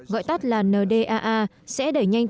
gọi tắt là ndaa sẽ đẩy nhanh